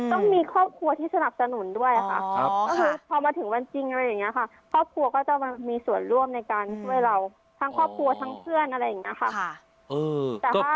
ต้องมีครอบครัวที่สนับสนุนด้วยค่ะก็คือพอมาถึงวันจริงอะไรอย่างนี้ค่ะครอบครัวก็จะมีส่วนร่วมในการช่วยเราทั้งครอบครัวทั้งเพื่อนอะไรอย่างนี้ค่ะ